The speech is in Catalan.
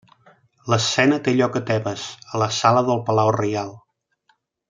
L'escena té lloc a Tebes, a la sala del palau reial.